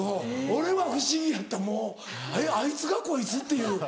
俺は不思議やったもうあいつがこいつ？っていう。